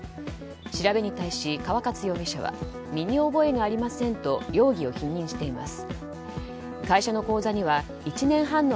調べに対し、川勝容疑者は身に覚えがありませんと容疑を否認しています。